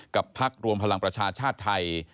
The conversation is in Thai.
กับภักดิ์รวมพลังประชาชนชาติไทย